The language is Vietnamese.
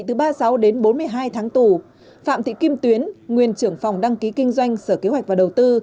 từ ba mươi sáu đến bốn mươi hai tháng tù phạm thị kim tuyến nguyên trưởng phòng đăng ký kinh doanh sở kế hoạch và đầu tư